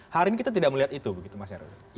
hari ini kita tidak melihat itu begitu mas heru